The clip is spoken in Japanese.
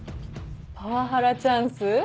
パワハラチャンス？